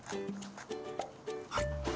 はい。